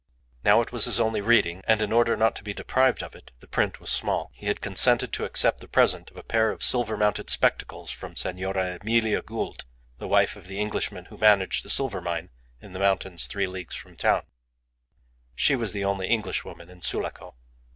Now it was his only reading, and in order not to be deprived of it (the print was small) he had consented to accept the present of a pair of silver mounted spectacles from Senora Emilia Gould, the wife of the Englishman who managed the silver mine in the mountains three leagues from the town. She was the only Englishwoman in Sulaco.